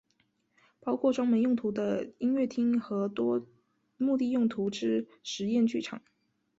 包含专门用途的音乐厅与多目的用途之实验剧场。